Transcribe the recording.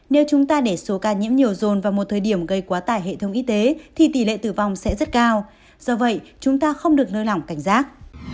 nếu chúng ta để số ca nhiễm nhiều dồn vào một thời điểm gây quá tải hệ thống y tế thì tỷ lệ tử vong sẽ rất cao do vậy chúng ta không được nơi lỏng cảnh giác